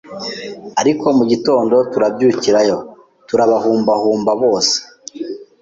ariko mu gitondo turabyukirayo turabahumbahumba bos